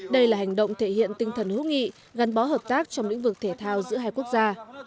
đây là hành động thể hiện tinh thần hữu nghị gắn bó hợp tác trong lĩnh vực thể thao giữa hai quốc gia